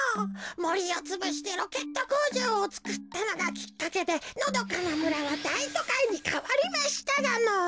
もりをつぶしてロケットこうじょうをつくったのがきっかけでのどかなむらはだいとかいにかわりましたがのぉ。